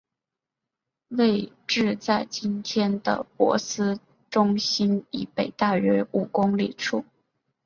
位置在今天的珀斯中心以北大约五公里处。